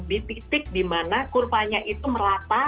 di titik dimana kurvanya itu merata